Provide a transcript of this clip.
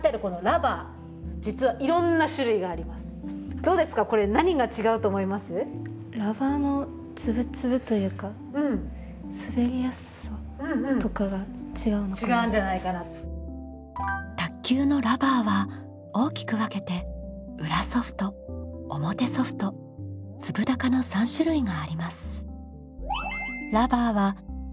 どうですかこれ卓球のラバーは大きく分けて裏ソフト表ソフト粒高の３種類があります。